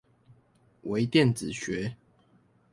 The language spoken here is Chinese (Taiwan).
微電子學